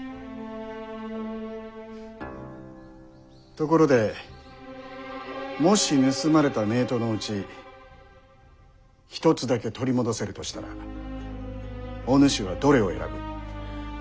ところでもし盗まれた名刀のうち一つだけ取り戻せるとしたらお主はどれを選ぶ？